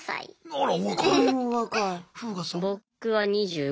あら。